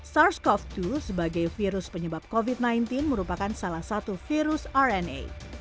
sars cov dua sebagai virus penyebab covid sembilan belas merupakan salah satu virus rna